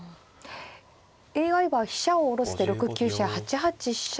ＡＩは飛車を下ろす手６九飛車８八飛車という手を。